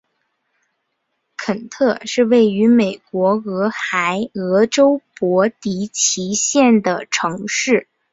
肯特是位于美国俄亥俄州波蒂奇县的城市。